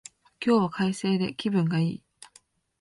今日は快晴で気分がいい